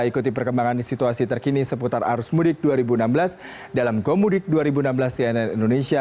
ikuti perkembangan situasi terkini seputar arus mudik dua ribu enam belas dalam gomudik dua ribu enam belas cnn indonesia